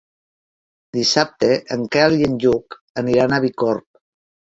Dissabte en Quel i en Lluc aniran a Bicorb.